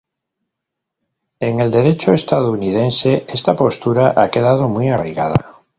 En el derecho estadounidense esta postura ha quedado muy arraigada.